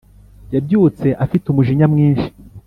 yabyutse afite umujinya mwinshi